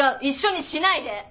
一緒にしないで！